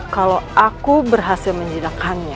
kalau aku berhasil menjilakannya